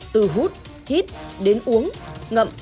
từ hút hít đến uống ngậm